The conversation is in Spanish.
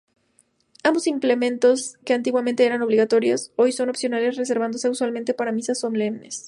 Ambos implementos, que antiguamente eran obligatorios, hoy son opcionales, reservándose usualmente para Misas solemnes.